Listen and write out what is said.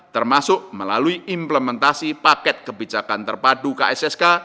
termasuk melalui implementasi paket kebijakan terpadu kssk